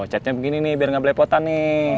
catnya begini nih biar gak belepotan nih